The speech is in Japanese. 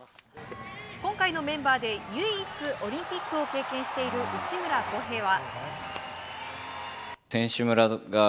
今回のメンバーで唯一オリンピックを経験している内村航平は。